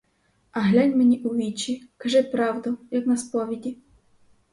А глянь мені у вічі, кажи правду, як на сповіді.